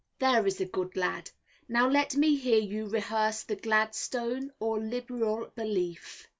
There is a good lad; now let me hear you rehearse the Gladstone or Liberal Belief.